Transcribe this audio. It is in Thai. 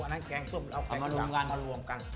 อันนั้นแกงส้มแล้วเอาแกงสำรวมกัน